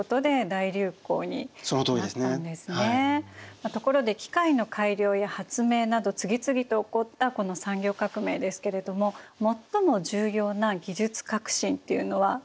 まあところで機械の改良や発明など次々と起こったこの産業革命ですけれども最も重要な技術革新っていうのは何だったんですか？